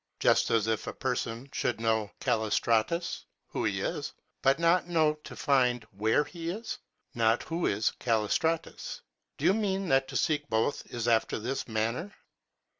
just as if a person should know Callistratus, who he is ;* but not know to find where he is, 4 not who is Callistratus.4 Do you mean that to seek both is after this manner.